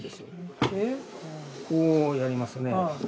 こうやりますね。